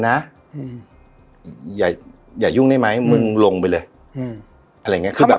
นะอืมอย่าอย่ายุ่งได้ไหมมึงลงไปเลยอืมอะไรอย่างเงี้คือแบบ